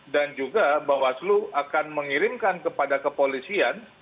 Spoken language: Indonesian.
dan juga bawaslu akan mengirimkan kepada kepolisian